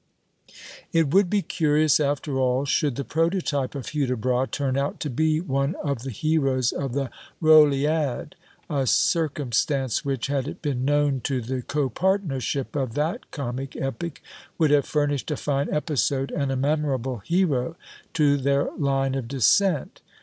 It would be curious, after all, should the prototype of Hudibras turn out to be one of the heroes of "the Rolliad;" a circumstance which, had it been known to the copartnership of that comic epic, would have furnished a fine episode and a memorable hero to their line of descent.